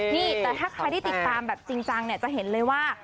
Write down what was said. นี่แต่ถ้าใครที่ติดตามแบบจริงจะเห็นเลยว่า